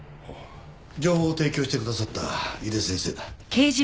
情報を提供してくださった井手先生だ。